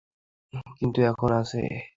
কিন্তু এখন আছে।